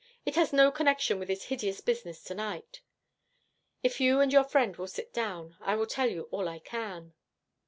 It has no connection with this hideous business tonight. If you and your friend will sit down, I will tell you all I can.